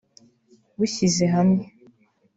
bushyize hamwe